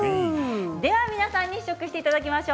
皆さんに試食していただきましょう。